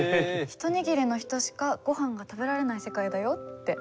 「一握りの人しかごはんが食べられない世界だよ」って。